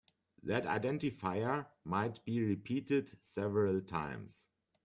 That identifier might be repeated several times.